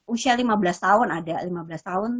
usia lima belas tahun ada lima belas tahun